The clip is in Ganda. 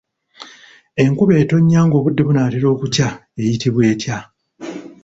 Enkuba etonnya ng'obudde bunaatera okukya eyitibwa etya?